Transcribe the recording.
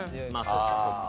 そっかそっか。